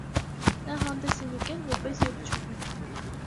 Նաև հանդես է եկել որպես երգչուհի։